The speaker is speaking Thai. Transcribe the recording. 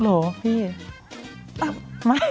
เหรอพี่